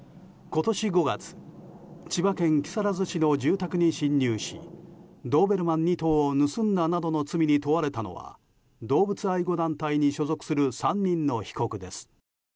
今年５月千葉県木更津市の住宅に侵入しドーベルマン２頭を盗んだなどの罪に問われたのは動物愛護団体に所属する３人の被告です。